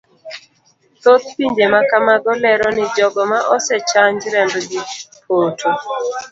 Thoth pinje makamago lero ni jogo ma osechanj rembgi poto.